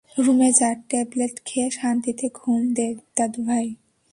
রুমে যা, টেবলেট খেয়ে, শান্তিতে ঘুম দে, দাদুভাই।